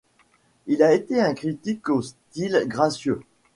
Il a été un critique au style gracieux.